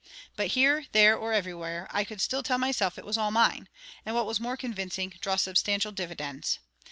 But here, there, or everywhere I could still tell myself it was all mine, and what was more convincing, draw substantial dividends.